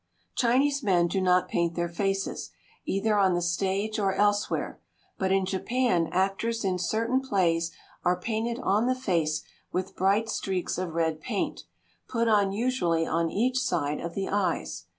= Chinese men do not paint their faces, either on the stage or elsewhere, but in Japan actors in certain plays are painted on the face with bright streaks of red paint, put on usually on each side of the eyes.